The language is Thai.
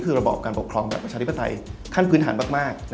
คือระบอบการปกครองแบบประชาธิปไตยขั้นพื้นฐานมาก